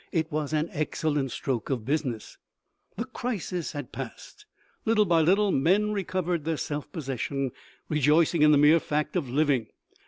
It was an excellent stroke of business. The crisis had passed. Little by little, men recovered their self possession, rejoicing in the mere fact of living.